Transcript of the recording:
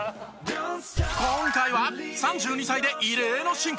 今回は３２歳で異例の進化。